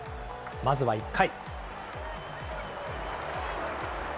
まずは１回。